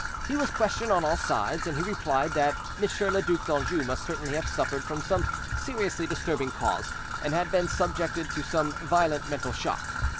He was questioned on all sides, and he replied that Monsieur le Duc d'Anjou must certainly have suffered from some seriously disturbing cause, and had been subjected to some violent mental shock.